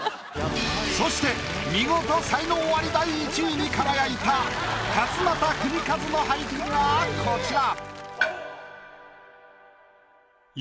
そして見事才能アリ第１位に輝いた勝俣州和の俳句がこちら。